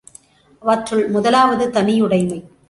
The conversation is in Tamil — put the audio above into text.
அவற்றுள் முதலாவது தனியுடைமை.